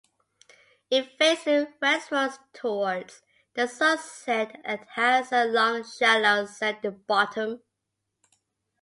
It faces westwards towards the sunset and has a long shallow sandy bottom.